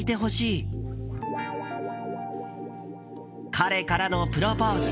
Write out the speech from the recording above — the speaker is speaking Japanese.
彼からのプロポーズ。